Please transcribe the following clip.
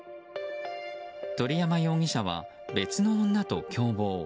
鳥山容疑者は別の女と共謀。